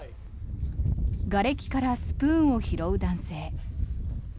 がれきからスプーンを拾う男性。